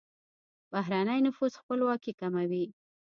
بهرنی نفوذ خپلواکي کموي.